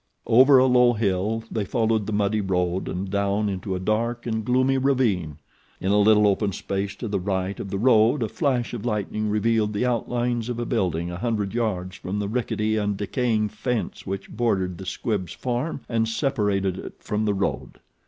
Over a low hill they followed the muddy road and down into a dark and gloomy ravine. In a little open space to the right of the road a flash of lightning revealed the outlines of a building a hundred yards from the rickety and decaying fence which bordered the Squibbs' farm and separated it from the road.